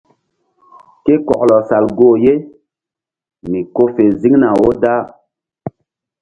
Ke kɔklɔ sal goh ye mi ko fe ziŋna wo da.